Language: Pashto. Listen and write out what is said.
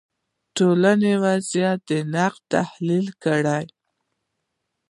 ټولنو وضعیت نقد تحلیل کړي